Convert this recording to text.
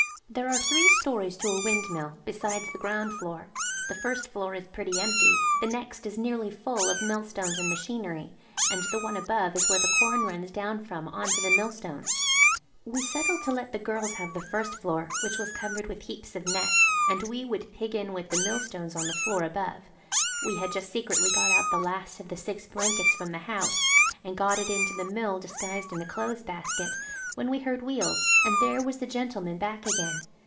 There are three stories to a windmill, besides the ground floor. The first floor is pretty empty; the next is nearly full of millstones and machinery, and the one above is where the corn runs down from on to the millstones. We settled to let the girls have the first floor, which was covered with heaps of nets, and we would pig in with the millstones on the floor above. We had just secretly got out the last of the six blankets from the house and got it into the Mill disguised in a clothes basket, when we heard wheels, and there was the gentleman back again.